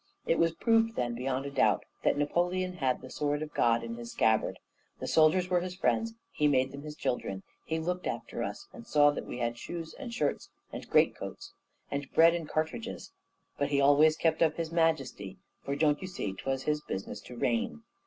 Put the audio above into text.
It was proved then, beyond a doubt, that Napoleon had the sword of God in his scabbard. The soldiers were his friends; he made them his children; he looked after us, he saw that we had shoes, and shirts, and great coats, and bread, and cartridges; but he always kept up his majesty; for, don't you see, 'twas his business to reign.